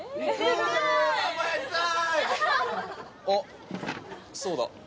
あっそうだ。